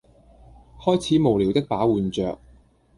開始無聊的把玩着